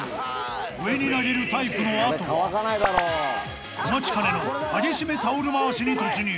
［上に投げるタイプの後はお待ちかねの激しめタオル回しに突入］